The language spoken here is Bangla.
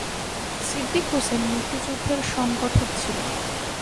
সিদ্দিক হোসেন মুক্তিযুদ্ধের সংগঠক ছিলেন।